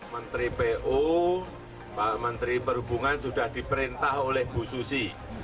menteri pu pak menteri perhubungan sudah diperintah oleh bu susi